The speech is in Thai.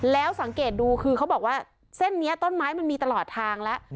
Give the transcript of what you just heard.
แล้วสังเกตดูคือเขาบอกว่าเส้นนี้ต้นไม้มันมีตลอดทางแล้ว